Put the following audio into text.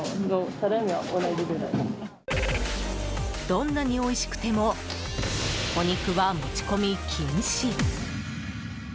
どんなにおいしくてもお肉は持ち込み禁止。